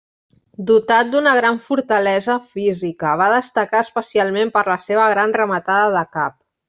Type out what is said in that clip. Dotat d'una gran fortalesa física, va destacar especialment per la seva gran rematada de cap.